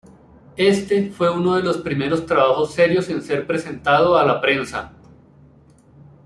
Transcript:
Éste fue uno de los primeros trabajos serios en ser presentado a la prensa.